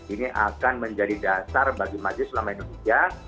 ini akan menjadi dasar bagi majlis selama indonesia